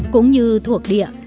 cũng như thuộc địa